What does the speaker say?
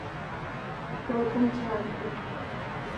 ¿Zó comcaacya?